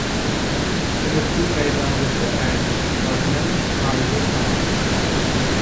سىنىپتىن مەيدانغىچە ئەگىشىپ بارىمەن سايىدەك ساڭا.